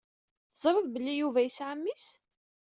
Teẓṛiḍ belli Yuba yesɛa mmi-s?